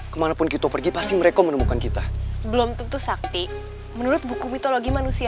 kemanapun kita pergi pasti mereka menemukan kita belum tentu sakti menurut buku mitologi manusia